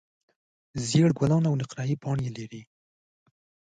زېړ ګلان او نقریي پاڼې لري.